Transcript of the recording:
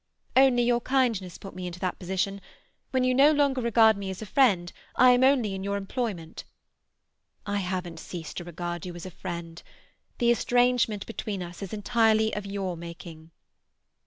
"Only your kindness put me into that position. When you no longer regard me as a friend, I am only in your employment." "I haven't ceased to regard you as a friend. The estrangement between us is entirely of your making."